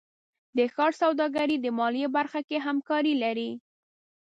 د ښار سوداګرۍ د مالیې برخه کې همکاري لري.